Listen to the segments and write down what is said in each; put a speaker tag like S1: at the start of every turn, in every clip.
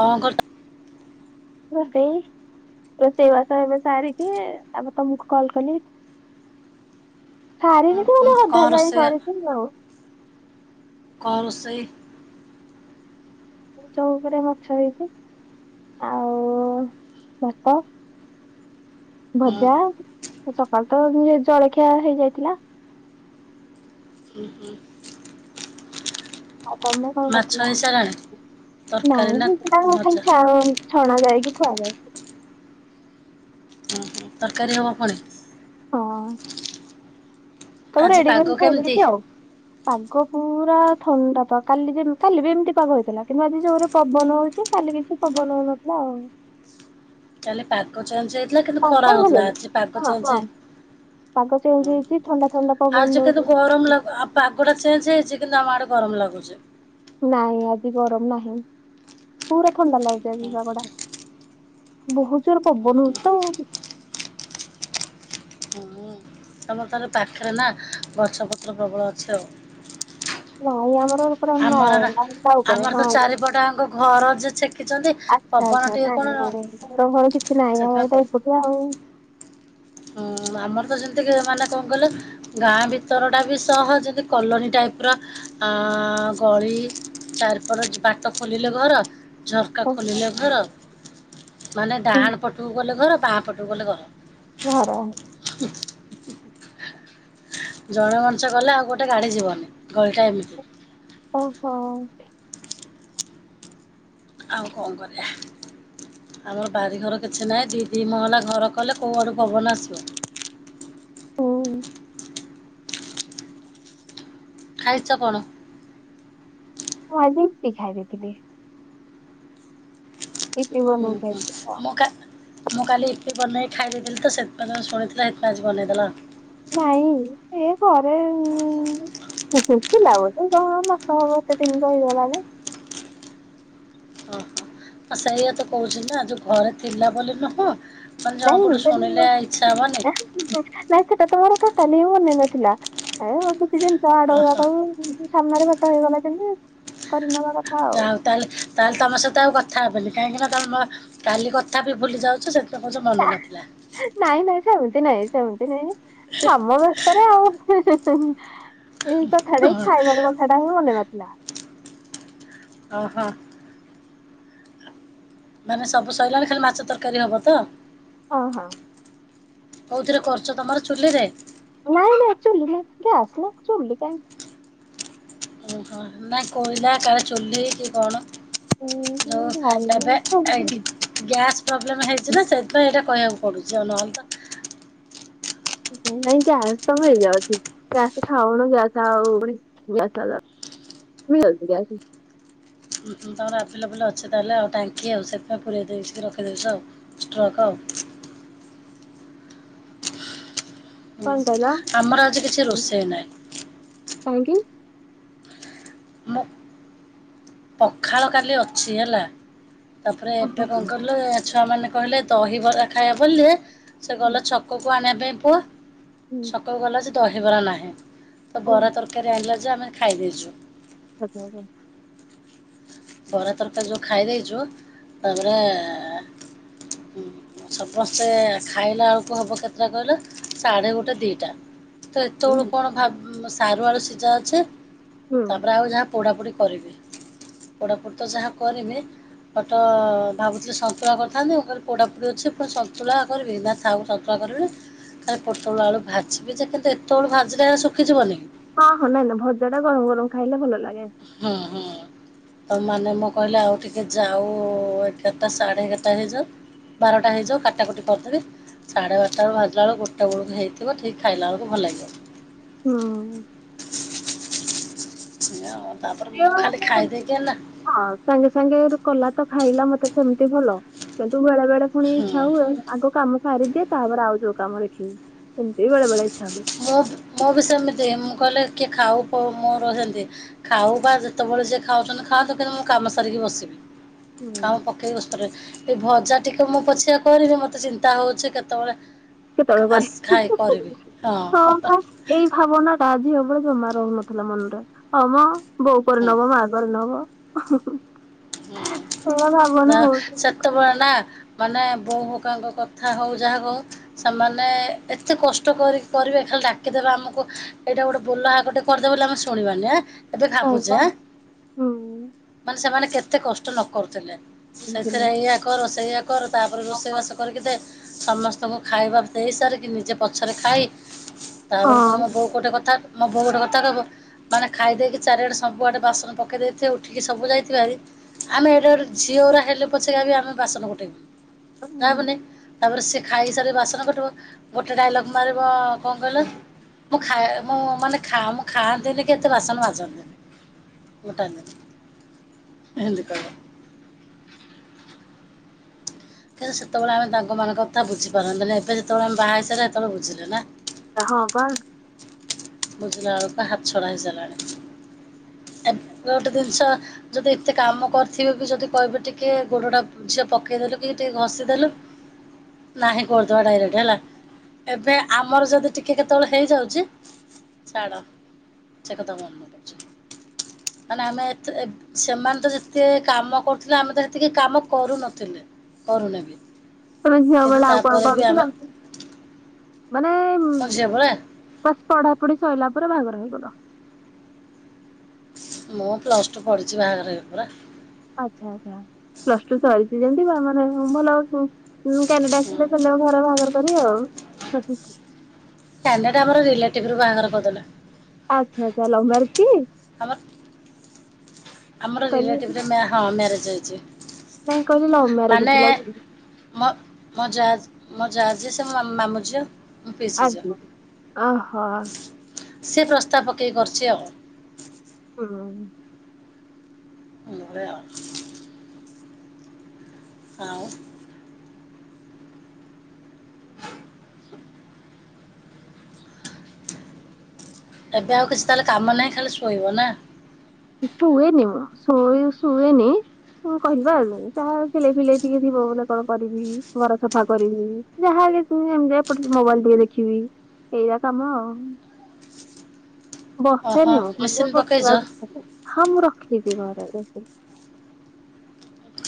S1: କଣ କର
S2: ରୋସେଇବାସ ଏବେ ସାରିକ ଆମ ତମକୁ କଲ କଲି।
S1: ହଁ
S2: ସାରିନିଥ
S1: ହଁ।
S2: ମାନ ଅଧା
S1: କଣ
S2: ଜାଣି
S1: ରୋଷେଇ
S2: ସରିଥିଲି ଆଉ।
S1: କଣ ରୋଷେଇ?
S2: ମୁ ଚଉକରେ ମାଛ ହେଇଛି ଆଉ ଭାତ।
S1: ହଁ
S2: ଭଜା ସକାଳ ତ ନି ଜଳଖିଆ ହେଇଯାଇଥିଲା।
S1: ହୁଁ ହୁଁ।
S2: ଆଉ ତମେ କଣ
S1: ମାଛ
S2: କରୁଥିଲ?
S1: ହେଇସାରିଲାଣି ତରକାରୀ
S2: ନାଇଁ
S1: ନା
S2: ମୁଁ ସେଟା [inaudible]
S1: ଭଜା?
S2: ଖାଇଛ ଛଣା ଯାଏ କି ଥୁଆଯାଏ।
S1: ହଁ ତରକାରୀ ହବ ଫୁଣି।
S2: ହଁ। ସବୁ
S1: ଆଜି
S2: ରେଡି
S1: ପାଗ
S2: କରିକି
S1: କେମିତି?
S2: ଥୋଇଦେଇଚି ଆଉ। ପାଗ ପୁରା ଥଣ୍ଡା ପାଗ କାଲି ଯେମ୍ କାଲି ବି ଏମିତି ପାଗ ହେଇଥିଲା କିନ୍ତୁ ଆଜି ଯୋଉରେ ପବନ ହଉଛି କାଲି କିଛି ପବନ ହଉ ନଥିଲା ଆଉ।
S1: କାଲି ପାଗ ଚେଞ୍ଚେ ହେଇଥିଲା କିନ୍ତ ଖରା
S2: ପାଗ ଭଲ
S1: ହଉଥିଲା ପାାଗ
S2: ହଁ ହଁ।
S1: ଚେଞ୍ଚେ
S2: ପାଗ ଚେଞ୍ଚ ହେଇଛି ଥଣ୍ଡା ଥଣ୍ଡା ପବନ
S1: ଆଜି କିନ୍ତୁ
S2: ଦଉଛି।
S1: ଗରମ ଲାଗୁ ପାଗଟା ଚେଞ୍ଜ ହେଇଛି କିନ୍ତୁ ଆମ ଆଡେ ଗରମ ଲାଗୁଛି।
S2: ନାଇଁ ଆଜି ଗରମ ନାହିଁ ପୁରା ଥଣ୍ଡା ଲାଗୁଛି ଆଜି
S1: ହୁଁ।
S2: ପାଗଟା। ବହୁତ ଜୋର ପବନ ହଉଚିତ ଆଉ।
S1: କୁମୁ [unintelligible] ତମର ତାହେଲେ ପାଖେରେ ନା ଗଛପତ୍ର ପ୍ରବଳ ଅଛି ଆଉ।
S2: ନାଇଁ ଆମର ପୁରା ମା
S1: ଆମର ଏରା
S2: ରାସ୍ତା ଉପରେ
S1: ଆମର ତ
S2: ହଁ।
S1: ଚାରିପଟ ଆଙ୍କ ଘର ଯେ ଛେକିଛନ୍ତି।
S2: ଆଛ
S1: ପବନ ଟିକେ
S2: ଭର
S1: କଣ
S2: [inaudible] ଆମର କିଛି ନାହିଁ ଆମର ତ ଏକୁଟିଆ ଆଉ।
S1: ହୁଁ ଆମର ତ ଯେମତି ମାନେ କଣ କହିଲ? ଗାଁ ଭିତରଟା ବି ସହ ଯେନ୍ତି କଲୋନୀ ଟାଇପର ଅଁ ଗଳି। ଚାରପଟ ବାଟ ଖୋଲିଲେ ଘର। ଝରକା ଖୋଲିଲେ ଘର ମାନେ
S2: ହୁଁ,
S1: ଡାହାଣ ପଟକୁ ଗଲେ ଘର ବାଆ ପଟକୁ ଗଲେ ଘର।
S2: ଘର।
S1: ଜଣେ ମଣିଷ ଗଲେ ଆଉ ଗୋଟେ ଗାଡି ଯିବନି ଗଳିଟା ଏମିତି।
S2: ଓହୋ।
S1: ଆଉ କ ଣ କରିବା? ଆମର ବାରିଘର କିଛି ନାହିଁ ଦିଇ ଦିଇ ମହଲା ଘର କଲେ କଉ ଆଡ଼ୁ ପବନ ଆସିବ।
S2: ହଉ [inaudible]
S1: ଖାଇଚ କଣ?
S2: ମୁଁ ଆଜି ଇପି ଖାଇ ଦେଇଥିଲି। ଇପି ବନେଇକି
S1: ଉଁ ହୁଁ
S2: ଖାଇଥିଲି।
S1: ମୁଁ କା ମୁଁ କାଲି ଇପି ବନେଇକି ଖାଇ ଦେଇଥିଲି ତ ସେଥିପାଇଁ ତମେ ଶୁଣିଥିଲ ହେଥିପାଇଁ ଆଜି ବନେଇଦେଲ ଆଉ।
S2: ନାଇଁ ସେ ଘରେ ଉଁ ଉଁ ଉଁ ଶୁଖିଲା ଗୋଟେ କଣ ମାସ ହବ ଏତେ ଦିନି ରହିଗଲାଣି।
S1: ଆ ସେଇଆ ତ କହୁଛି ନା ଯୋଉ ଘରେ ଥିଲା ବୋଲି ନବ। ମାନେ ଜଣଙ୍କଠୁ
S2: ନାଇଁ
S1: ଶୁଣିଲେ ଇଛା ହବନି?
S2: ନାଇଁ ସେଟାତ ମୋର ଟୋଟାଲି ହିଁ ମନେ ନଥିଲା ଏ ବସି ଟିକେ ଇନଷ୍ଟା ଆଡଉ
S1: ଓହୋ
S2: ଆଡଉ ଟିଭି ସାମ୍ନାରେ ଭେଟ ହେଇଗଲା କେମିତି କରିନବା କଥା ଆଉ।
S1: ଯାହା ହଉ ତାହେଲେ ତାହେଲେ ତମ ସହିତ ଆଉ କଥା ହେବିନି କାହିଁକିନା ତମେ ମର୍ କାଲି କଥା ବି ଭୁଲି ଯାଉଛ ସେଥିପାଇଁ କୁହୁଛ ମନ ନଥିଲା।
S2: ନାଇଁ ନାଇଁ ସେମିତି ନାଇଁ ସେମିତି ନାଇଁ କାମ ବେସ୍ତରେ ଆଉ ହେ। ହିଁ ହିଁ ଏଇ କଥାଟା ଇ
S1: ଓହୋ
S2: ଖାଇବାର କଥା ଟା ହିଁ ମନେ ନଥିଲା।
S1: ଓହୋ। ମାନେ ସବୁ ସଇଲାଣି ଖାଲି ମାଛ ତରକାରୀ ହବ ତ?
S2: ହଁ।
S1: କୋଉ ଥିରେ କରୁଚ ତମର ଚୁଲି ରେ।
S2: ନାଇଁ ନାଇଁ ଚୁଲି ନାହିଁ ଗ୍ୟାସ ନା ଚୁଲି କାଇଁ।
S1: ନା କୋଇଲା କାହାର ଚୁଲି କି କଣ।
S2: ଉଁ
S1: [unintelligible] ଗ୍ୟାସ୍ ପ୍ରୋବ୍ଲେମ ହେଇଥିଲେ ସେଥିପାଇଁ ଏଇଟା କହିବାକୁ ପଡୁଛି ନ ହେଲେ ତ
S2: ନାଇଁ ଗ୍ୟାସ ତ ହେଇଯାଉଛି ଗ୍ୟାସ ଖାଉନ ଗ୍ୟାସ ଆଉ ପୁଣି [unintelligible]
S1: ତମର ଆଭେଲେବୁଲୁ ଅଛି ତା ହେଲେ ଆଉ ଟାଙ୍କି ଆଉ ସେଥିପାଇଁ ପୁରେଇ ଦେଇଛିି ରଖିଦେଇଛି ଆଉ। ଷ୍ଟ୍ରୋକ। ହୁଁ
S2: କଣ କହିଲ
S1: ଆମର ଆଜି କିଛି ରୋଷେଇ ନାହିଁ।
S2: କାହିଁକି?
S1: ମୋ ପଖାଳ କାଲି ଅଛି ହେଲା ତାପରେ ଏବେ କଣ କଲେ ଛୁଆମାନେ କହିଲେ ଦହିିବରା ଖାଇବା ବୋଲି ସେ ଗଲେ ଛକକୁ ଆଣିବା ପାଇଁ ପୁଅ ଛ
S2: ହୁଁ।
S1: ଛକକୁ ଗଲା ଯେ ଦହିବରା ନାହିଁ ତ
S2: ଓ
S1: ବରା ତରକାରୀ ଆଣିଲା ଯେ ଆମେ ଖାଇ ଦେଇଚୁ।
S2: [unintelligible]
S1: ବରା ତରକାରୀ ଯୋଉ ଖାଇ ଦେଇଚୁ ତାପରେ ହୁଁ। ସମସ୍ତେ ଖାଇଲା ବେଳକୁ ହବ କେତେଟା କହିଲ ସାଢେ ଗୋଟେ ଦି ଟା। ତ ଏତେ
S2: ହୁଁ
S1: ବଳୁ କଣ ଭା ସାରୁ ଆଳୁ ସିଝା ଅଛି
S2: ହୁଁ
S1: ତାପରେ ଆଉ ଯାହା ପୋଡା ପୋଡି କରିବି। ପୋଡା ପୋଡି ତ ଯାହା କରିବି ଫଟ ଭାବୁଥିଲେ ସନ୍ତୁଳା କରିଥାନ୍ତ ମୁଁ କହିଲି ପୋଡା ପୋଡି ଅଛି ପୁଣି ସନ୍ତୁଳା କରିବି ନା ଥାଉ ସନ୍ତୁ ସନ୍ତୁଳା କରିବି ଖାଲି ପୋଟଳ ଆଳୁ ଭାଜିବି ଯେ କିନ୍ତୁ ଏତେବେଳୁ ଭାଜିଲେ ସୁଖୀ ଯିବନି।
S2: ହଁ ହଁ ନାଇଁ ନାଇଁ ଭଜା ଟା ଗରମ ଗରମ ଖାଇଲେ ଭଲ ଲାଗେ।
S1: ହଁ ହଁ। ତ ମାନେ ମୁଁ କହିଲି ଆଉ ଟିକେ ଯାଉ ଏଗାରଟା ସାଢ଼େ ଏଗାରଟା ହେଇଯାଉ ବାରଟା ହେଇଯାଉ କାଟା କଟି କରି ଦେବି ସାଢେ ବାରଟା ବେଳୁ ଭାଜିଲା ବେଳକୁ ଗୋଟେ ବଳକୁ ହେଇଥିବ ଠିକ ଖାଇଲା ବେଳକୁ ଭଲ ଲାଗିବ।
S2: ହୁଁ।
S1: ଏଇଆ ଆଉ ତାପରେ
S2: ସେ
S1: ମୁଁ ଖାଲି ଖାଇଦେଇକି ଅନା
S2: ହଁ ସାଙ୍ଗେ ସାଙ୍ଗେ ହେଠୁ କଲା ତ ଖାଇଲା ମତେ ସେମିତି ଭଲ କିନ୍ତୁ ବେଳେ ବେଳେ ପୁଣି
S1: ହୁଁ
S2: ଇଛା ହୁଏ ଆଗ କାମ ସାରିଦିଏ ତାପରେ ଆଉ ଯୋଉ କାମ ଦେଖିବି ସେମତି ବି ବେଳେ ବେଳେ ଇଛା ହୁଏ।
S1: ମୁଁ ମୁଁ ବି ସେମିତି ମୁଁ କହିଲେ କିଏ ଖାଉ ଖୋଉ ମୋର ହେନ୍ତି। ଖାଉ ବା ଯେତେବେଳେ ଯିଏ ଖାଉଚନ୍ତି ଖାଆନ୍ତୁ କିନ୍ତୁ ମୁଁ କାମ ସାରିକି ବସିବି କାମ
S2: ହୁଁ
S1: ପ ଏଇ ବସ୍ତ୍ରରେ ଏଇ ଭଜା ଟିକେ ମୁଁ ପଛିକା କରିବି ମତେ ଚିନ୍ତା ହଉଚି କେତେବେଳେ
S2: କତେବେଳେ
S1: ଆସ ଖାଇ
S2: କରିବି।
S1: କରିବି ହଁ।
S2: ଏଇ ଭାବନା ଟା ଝିଅ ବେଳେ ଜମା ରହୁନଥିଲା ମନରେ ହଁ ମ ବୋଉ
S1: ହଁ
S2: କରିନବ ମା କରିନବ ମୋ ଭାବନା ବହୁତ ମୂର୍ଖ।
S1: ଛୁଆ ନା ମାନେ ବୋଉ ହୋକାଙ୍କ କଥା ହଉ ଯାହା କହ ସେମାନେ ଏତେ କଷ୍ଟ କରି କରିବେ ଖାଲି ଡାକିଦେବେ ଆମକୁ ଏଇଟା ଗୋଟେ ବୋଲ ହାକ ଟେ କରିଦେ ବୋଲି ଆମେ ଶୁଣିବାନି ଏ ଏବେ
S2: ନାଇଁ
S1: ଭାବୁଚେ
S2: ପା
S1: ଏ
S2: ହୁଁ।
S1: ମାନେ ସେମାନେ କେତେ କଷ୍ଟ ନ କରୁଥିଲେ। ସେଇଥିରେ
S2: ବୁଝିଲି।
S1: ଏଇଆ କର ସେଇଆ କର ତାପରେ ରୋଷେଇ ବାସ କରିକି ଦେ ସମସ୍ତଙ୍କୁ ଖାଇବା ଦେଇ ସାରିକି ନିଜେ ପଛରେ ଖାଇ ତାପରେ ପୁଣି
S2: ହଁ
S1: ମୋ ବୋଉ ଗୋଟେ କଥା ମୋ ବୋଉ ଗୋଟେ କଥା କହିବ ମାନେ ଖାଇ ଦେଇକି ଚାରିଆଡ଼େ ସବୁଆଡ଼େ ବାସନ ପକେଇ ଦେଇଥିବେ ଉଠିକି ସବୁ ଯାଇଥିବେ ହାରି ଆମେ ଏଇଟା ଗୋଟେ ଝିଅ ଗୁରା ହେଲେ ପଛେ ଆଗେ ଆମେ ବାସନ
S2: ଉଁ
S1: ଗୋଟେଇବୁ ତାବୋଲି ତାପରେ ସେ ଖାଇସାରିକି ବାସନ ଗୋଟିବ ଗୋଟେ ଡାଇଲଗ୍ ମାରିବ କ କହିଲ ମୁଁ ଖାଏ ମୁଁ ମାନେ ଖା ମୁଁ ଖାଆନ୍ତିନିକି ଏତେ ବାସନ ମାଜନ୍ତିନି। ଗୋଟାନ୍ତିନି। ହେମିନ୍ତି କଇଁବ। କାଇଁ ସେତବଳେ ଆମେ ତାଙ୍କମାନଙ୍କ କଥା ବୁଝିପାରନ୍ତିନି ଏବେ ଯେତବଳେ ଆମେ ବାହାହେଇସାରିଲେ ହେତେବେଳେ ବୁଝିଲେ ନା।
S2: ଆ ହଁ ପା
S1: ବୁଝିଲାବେଳୁକୁ ହାତଛଡ଼ା ହେଇସାରିଲାଣି। ଏବେ ଗୋଟେ ଜିନିଷ ଯଦି ଏତେ କାମ କରିଥିବେବି ଯଦି କହିବେ ଟିକେ ଗୋଡ଼ଟା ଝିଅ ପକେଇଦେଲୁକି ଟିକେ ଘଷିଦେଲୁ ନାହିଁ କରିଦବା ଡାଇରେକ୍ଟ ହେଲା। ଏବେ ଆମର ଯଦି ଟିକେ କେତେଳେ ହେଇଯାଉଚି ଛାଡ଼। ସେକଥା ମନେ ପଡ଼ୁଛି ମାନେ ଆମେ ଏତେ ଏବ ସେମାନେତ ଯେତିକେ କାମ କରୁଥିଲେ ଆମେତ ସେତିକି କାମ କରୁନଥିଲେ। କରୁନେବି
S2: ତମେ ଝିଅ ବଳେ ଆଉ କଣ କରୁଥିଲ ମାନେ
S1: ମୋ ଝିଅ ପରା
S2: ବାସ୍ ପଢ଼ାପଢ଼ି ସଇଲା ପରେ ବାହାଘର ହେଇଗଲ।
S1: ମୁଁ ପ୍ଲସ୍ ଟୁ ପଢିଚି ବାହାଘର ହେଇଗଲା ପରା।
S2: ଆଚ୍ଛା ଆଚ୍ଛା ପ୍ଲସ୍ ଟୁ ସରିଚି ଯେମିତି ବାହାଘର ଭଲ ଅଛୁ। ମୁଁ କାନେଡ଼ା
S1: ହୁଁ
S2: ଆସିଲେ ସେମାନେ ଘରେ ବାହାଘର କରିବେ ଆଉ।
S1: କାନେଡା ଆମର ରିଲେଟିଭରୁ ବାହାଘର କରିଦେଲେ।
S2: ଆଚ୍ଛା ଆଚ୍ଛା ଲଭ୍ ମ୍ୟାରେଜ କି?
S1: ଆମର ଆମର
S2: କହିଲି
S1: ରିଲେଟିଭରେ ମ୍ୟା ହଁ ମ୍ୟାରେଜ ହେଇଚି।
S2: ନାଇଁ କହିଲି ଲଭ ମ୍ୟାରେଜ ଥିଲା କି?
S1: ମୋ ମୋ ଯାଜ ମୋ ଯା ଯିଏ ସିଏ ମୋ ମାମୁଁ ମାମୁଁ ଝିଅ। ମୋ ପିଇସି
S2: ଆଜ୍ଞା ଅଁ ହଁ।
S1: ସେ ପ୍ରସ୍ତାବ ପକେଇକି କରିଚି ଆଉ।
S2: ହୁଁ।
S1: ଏଇଭଳିଆ ଆଉ। ଆଉ [inaudible] ଏବେ ଆଉ କିଛି ତାହେଲେ କାମ ନାହିଁ ଖାଲି ଶୋଇବ ନା।
S2: ଶୁଏନି ମୁଁ ଶୁ ଶୁଏନି। କଁ କରିବା ଯାହା ସିଲେଇ ଫିଲେଇ ଟିକେ ଥିବ ବୋଲେ କଣ କରିବି ଘର ସଫା କରିବି। ଯାହାଲେ ତୁ ଏମିତି ଏପଟ ମୋବାଇଲ୍ ଟିକେ ଦେଖିବି ଏଇଆ କାମ ଆଉ।
S1: ଓହୋ
S2: ବସେନି ମୁଁ ମତେ
S1: ମେସିନ୍ ପକେଇଚ?
S2: ବସିବାକୁ ହଁ ମୁଁ ରଖିଚି ଘରେ ମେସିନ୍।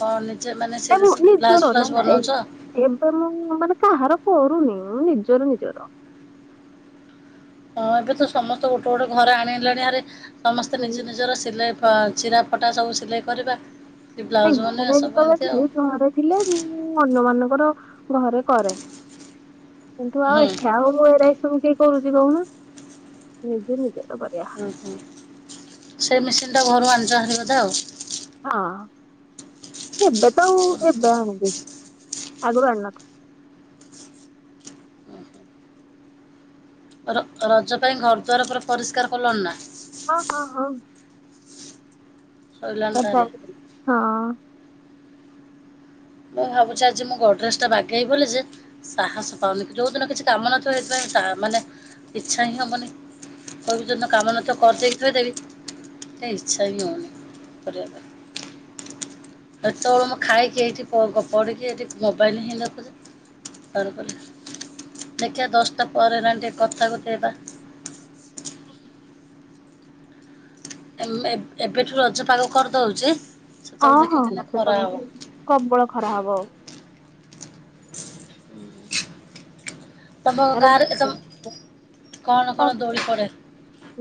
S1: ହଁ ନିଜେ ମାନେ
S2: ନା
S1: ସେଇଟା
S2: ମୁଁ
S1: ସବୁ ବ୍ଲାଉଜ୍
S2: ନିଜର ନା
S1: ଫ୍ଲାଉଜ୍
S2: ନା ଏ
S1: ବନଉଚ?
S2: ଏବେ ମୁଁ ମାନେ କାହାର କରୁୁନି ମୁଁ ନିଜର ନିଜର।
S1: ହଁ ଏବେତ ସମସ୍ତେ ଗୋଟେ ଗୋଟେ ଘରେ ଆଣିଲେଣି ହାରି ସମସ୍ତେ ନିଜ ନିଜର ସିଲେଇ ଅଁ ଚିରା ଫଟା ସବୁ ସିଲେଇ କରିବା କି ବ୍ଲାଉଜ୍
S2: ନାଇ
S1: ବନେଇବା
S2: ଘରେ
S1: ସବୁ
S2: ଯେତେବେଳେ
S1: ଏମିତି ଆଉ
S2: ଥିଲେ ସହରେ ଥିଲେ ମୁଁ ଅନ୍ୟ ମାନଙ୍କର ଘରେ କରେ କିନ୍ତୁ ଆଉ
S1: ହୁଁ
S2: ଏଠି ଆଉ ମୁଁ ଏ ତୁ କିଏ କରୁଚି କହୁନ ନିଜେ ନିଜର କରିବା।
S1: ଓହୋ ସେ ମେସିନ୍ ଟା ଘରୁ ଆଣିଚନ୍ତି ବୋଧେ ଆଉ।
S2: ହଁ ଏବେ ତ ଆଉ ଏବେ ଆଣିଦେଇଚି। ଆଗରୁ ଆଣି ନଥିଲି।
S1: ର ରଜ ପାଇଁ ଘରଦ୍ୱାର ପୁରା ପରିଷ୍କାର କଲଣି ନା?
S2: ହଁ ହଁ ହଁ।
S1: ସଇଲାଣି
S2: ପ୍ରପ
S1: ତାହେଲେ
S2: ହଁ।
S1: ମୁଁ ଭାବୁଚି ଆଜି ମୋ ଗଡ୍ରେଜ ଟା ବାଗେଇ ବି ବୋଲି ଯେ ସାହାସ ପାଉନି। ଯୋଉଦିନ କିଛି କାମ ନଥିବ ଏଇଥିପାଇଁ ତା ମାନେ ଇଚ୍ଛା ହିଁ ହବନି। କହିବି ଯୋଉ ଦିନ କାମ ନଥିବ କରିଦେଇ ଥୋଇଦେବି। ଏ ଇଚ୍ଛା ହିଁ ହଉନି କରିବା ପାଇଁ। ହେତବଳୁ ମୁଁ ଖାଇକି ଏଇଠି ପ -ପଡ଼ିକି ଏଠି ମୋବାଇଲ ହିଁ ଦେଖୁଚି। [inaudible] ଦେଖିବା ଦଶଟା ପରେ ହେଲାଣି ଟିକେ କଥା କୋଥି ହବା।
S2: [inaudible]
S1: ଏମ୍ ଏବ୍ ଏବେଠୁ ରଜ ପାଗ କରିଦଉଚି?
S2: ହଁ ହଁ ମୋତେ ତ ଲାଗୁଚି ପ୍ରବଳ ଖରା ହବ।
S1: ହୁଁ [inaudible] ତୁମ
S2: ତାର
S1: ଗାଁରେ ତମ କଣ
S2: ତ-
S1: କଣ ଦୋଳି ପଡ଼େ?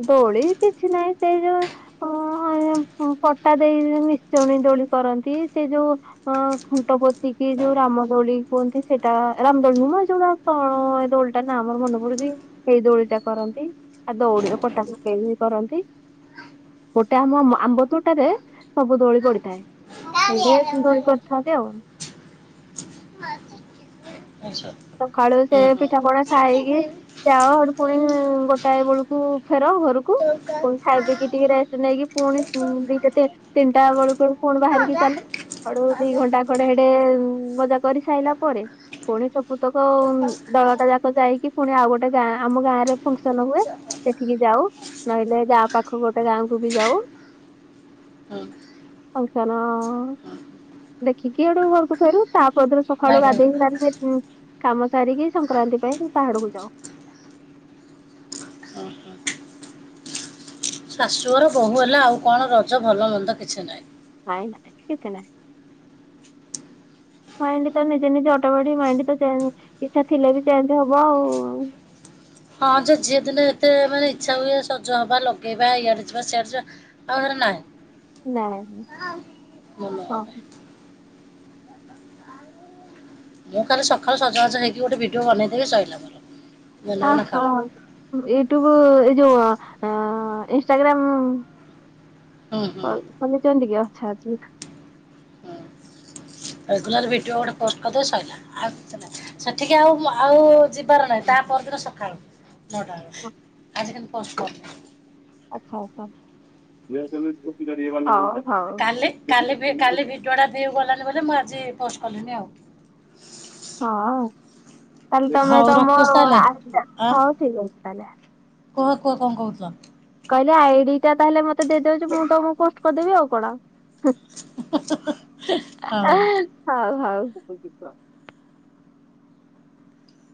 S2: ଦୋଳି କିଛି ନାଇ ସେ ଯୋଉ ଅ ଏ ପଟା ଦେଇ ନିଶୁଣି ଦୋଳି କରନ୍ତି। ସେ ଯୋଉ ହଁ ଖୁଣ୍ଟ ପୋତି କି ଯୋଉ ରାମଦୋଳି କୁହନ୍ତି, ସେଟା ରାମଦୋଳି ନୁହୁଁ ମ ଯୋଉଟା କଣ ଏଇ ଦୋଳି ଟା ନା ମୋର ମନେ ପଡୁଚି ସେଇ ଦୋଳି ଟା କରନ୍ତି। ଆଉ ଦଉଡିର ପଟା ପକେଇ ବି କରନ୍ତି। ଗୋଟେ ଆମ ମ ଆମ୍ବ ତୋଟାରେ ସବୁ ଦୋଳି ପଡିଥାଏ। ସେଇଠେ ଦୋଳି କରିଥାନ୍ତି ଆଉ।
S1: ଆଛା।
S2: ସଖାଳୁ ସେ ପିଠାପଣା ଖାଇକି ଯାଅ, ପୁଣି ଗୋଟାଏ ବେଳକୁ ଫେର ଘରକୁ। ପୁଣି ଖାଇ ପିକି ଟିକେ ରେଷ୍ଟ ନେଇକି ପୁଣି ଉଁ ଦିଟା ତି ତିନିଟା ବେଳକୁ ପୁ ପୁଣି ବାହାରିକି ଚାଲୁ। ଆଡୁ ଦି ଘଣ୍ଟା ଖଡେ ହେଡେ ମଜା କରି ସାରିଲା ପରେ ପୁଣି ସବୁ ବୁତକ ଦଳଟା ଯାକ ଯାଇକି ପୁଣି ଆଉ ଗୋଟେ ଗାଁ ଆମ ଗାଁ ରେ ଫଙ୍କସନ ହୁଏ। ସେଠିକି ଯାଉ ନହେଲେ ଗାଁ ପାଖ ଗୋଟେ ଗାଁକୁ ବି ଯାଉ।
S1: [inaudible] ହଁ।
S2: ଫଙ୍କସନ୍ ଦେଖିକି ହେଠୁ ଘରକୁ ଫେରୁ। ତାପର ଦିନ ସକାଳୁ
S1: ଲାଇଟ୍ ବନ୍ଦ
S2: ଗାଧେଇ
S1: କରିଦେ।
S2: ସାରିଲେଉ କାମ ସାରିକି ସଂକ୍ରାନ୍ତି ପାଇଁ କି ପାହାଡକୁ ଯାଉ।
S1: ଓ ହୋ। ଶାଶୂଘର ବୋହୂ ହେଲ ଆଉ କଣ ରଜ ଭଲ ମନ୍ଦ କିଛି ନାହିଁ।
S2: ନାଇଁ ନା କିଛି ନାହିଁ।
S1: [inaudible]
S2: ମାଇଣ୍ଡ ତ ନିଜେ ନିଜେ ଅଟମେଟିକ ମାଇଣ୍ଡ ତ ଚେଞ୍ଜ ଇଛା ଥିଲେ ବି ଚେଞ୍ଜ ହବ ଆଉ।
S1: ହଁ ଯେ ଝିଏ ଦିନେ ସେତେବେଳେ ମାନେ ଇଛା ହୁଏ ସଜ ହବା ଲଗେଇବା ଇଆଡେ ଯିବା ସିଆଡ ଯିବା। ଆଉ ହେରା ନାହିଁ।
S2: ନାଇଁଁ
S1: ମନ ନାହିଁ।
S2: ହଁ।
S1: ମୁଁ ଖାଲି ସକାଳୁ ସଜ ବାଜ ହେଇକି ଗୋଟେ ଭିଡିଓ ବନେଇଦେବି ସଇଲା ମର।
S2: ଅ ହଁ ୟୁଟ୍ୟୁବ ଏଇ ଯୋଉ ଇନ୍ଷ୍ଟାଗ୍ରାମ
S1: ହୁଁ ହୁଁ।
S2: ହଉ ଖୋଲିଚନ୍ତି କି ଆଛା ଆଛା ଯି
S1: ହୁଁ ରେଗୁଲାର ଭିଡିଓ ଗୋଟେ ପୋଷ୍ଟ କଦେବେ ସଇଲା ଆଉ କିଛି ନା। ସେଠିକି ଆଉ ଆଉ ଯିବାର ନାଇଁ ତା ପରଦିନ ସଖାଳ। ନଅଟା ଓଲୁକୁ,
S2: ଆଚ୍ଛା।
S1: ଆଜି କିନ୍ତୁ ପୋଷ୍ଟ କରନି।
S2: ଆଛା, ଆଛା ଝୀଅ ଛୁଆ ସ୍କୁଟି ଚଢିବନି ହଉ।
S1: କାଲି କାଲି କାଲି ଭିଡିଓ ଟା ଭିଉ ଗଲାନି ବୋଲି ମୁଁ ଆଜି ପୋଷ୍ଟ କଲିିନି ଆଉ।
S2: ହଁ ତାହେଲେ ତମେ
S1: ହଉ
S2: ତମ
S1: ରଖୁଛି ତାହେଲେ
S2: ଆସ
S1: ଆ
S2: ହଉ ଠିକ ଅଛି ତାହେଲେ।
S1: କୁହ କୁହ କଣ କହୁଥୁଲ?
S2: କହିଲେ ଆଇଡି ଟା ତାହେଲେ ମତେ ଦେଇଦେବେଯେ ମୁଁ ତମକୁ ପୋଷ୍ଟ କରଦେବି ଆଉ କଣ। ହୁଁ
S1: ହଉ।
S2: ହଉ ହଉ।